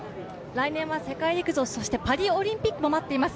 来年は世界陸上そして、パリオリンピックも待っています。